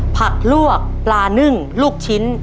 ผักลวกปลานึ่งลูกชิ้น